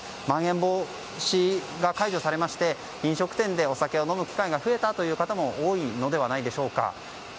まん延防止が解除されまして飲食店でお酒を飲む機会が増えたという方も多いのではないでしょうか。